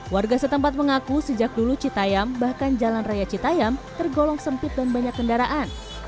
warga setempat mengaku sejak dulu citayam bahkan jalan raya citayam tergolong sempit dan banyak kendaraan